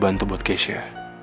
gue bantu buat keisha